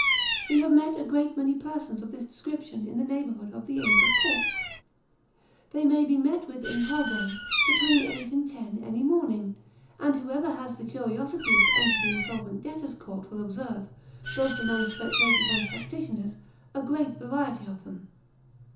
We have met a great many persons of this description in the neighbourhood of the inns of court. They may be met with, in Holborn, between eight and ten any morn ing ; and whoever has the curiosity to enter the Insolvent Debtors' Court will observe, both among spectators and practitioners, a great variety of them.